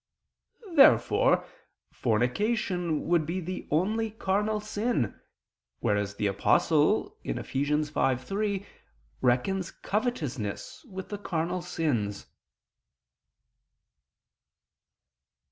Therefore fornication would be the only carnal sin, whereas the Apostle (Eph. 5:3) reckons covetousness with the carnal sins.